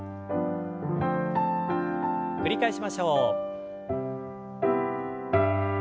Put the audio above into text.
繰り返しましょう。